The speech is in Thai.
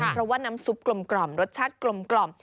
เพราะว่าน้ำซุปกลมกล่อมรสชาติกลมกล่อม